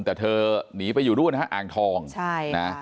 แต่เธอหนีไปอยู่นู่นนะฮะอ่างทองใช่นะ